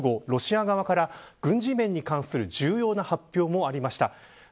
ロシア側から軍事面に関して重要な発表がありました。